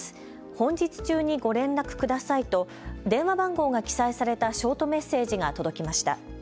本日中にご連絡くださいと電話番号が記載されたショートメッセージが届きました。